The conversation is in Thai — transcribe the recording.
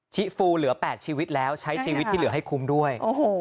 ฟูเหลือ๘ชีวิตแล้วใช้ชีวิตที่เหลือให้คุ้มด้วย